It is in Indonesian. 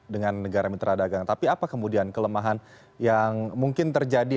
dengan negara mitra dagang tapi apa kemudian kelemahan yang mungkin terjadi